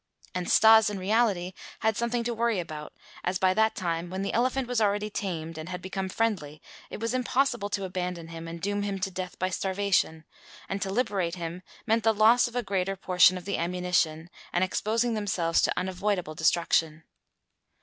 And Stas, in reality, had something to worry about, as by that time, when the elephant was already tamed and had become friendly it was impossible to abandon him and doom him to death by starvation; and to liberate him meant the loss of a greater portion of the ammunition and exposing themselves to unavoidable destruction.